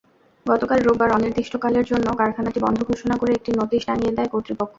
গতকাল রোববার অনির্দিষ্টকালের জন্য কারখানাটি বন্ধ ঘোষণা করে একটি নোটিশ টানিয়ে দেয় কর্তৃপক্ষ।